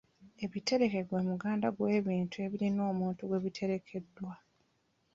Ebitereke gwe muganda gw'ebintu ebirina omuntu gwe bitegekeddwa.